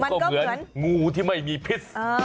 ก็เหมือนงูที่ไม่มีพิษ